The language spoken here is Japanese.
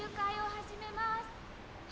始めます。